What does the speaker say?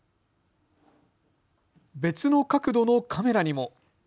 別の角度のカメラにも。